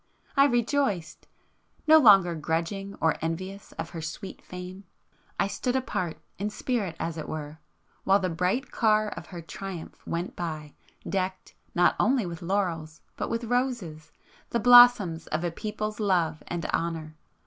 I rejoiced!—no longer grudging or envious of her sweet fame, I stood apart in spirit as it were, while the bright car of her triumph went by, decked, not only with laurels, but with roses,—the blossoms of a people's love and honour.